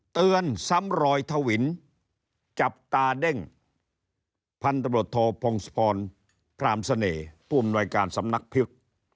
เตือนซ้ำรอยทวินจับตาเด้งพันธบทโทพงศพรพรามเสน่ห์ผู้อำนวยการสำนักพิกษ